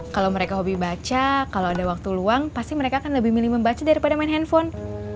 kalau mereka hobi baca kalau ada waktu luang pasti mereka akan lebih milih membaca daripada main handphone